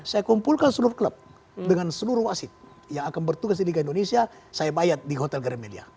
saya kumpulkan seluruh klub dengan seluruh wasit yang akan bertugas di liga indonesia saya bayat di hotel gremedia